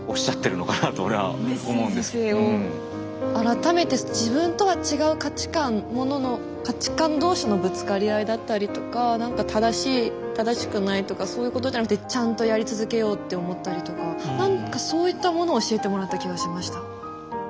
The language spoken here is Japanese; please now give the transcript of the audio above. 改めて自分とは違う価値観ものの価値観同士のぶつかり合いだったりとか何か正しい正しくないとかそういうことじゃなくてちゃんとやり続けようって思ったりとか何かそういったものを教えてもらった気がしました。